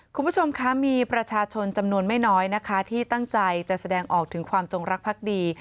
คุณผู้ชมคะมีประชาชนจำนวนไม่น้อยนะคะที่ตั้งใจจะแสดงออกถึงความจงรักภักดี